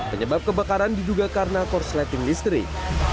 penyebab kebakaran diduga karena korsleting listrik